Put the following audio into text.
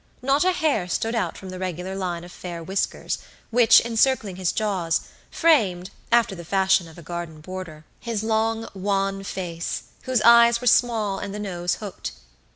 Not a hair stood out from the regular line of fair whiskers, which, encircling his jaws, framed, after the fashion of a garden border, his long, wan face, whose eyes were small and the nose hooked.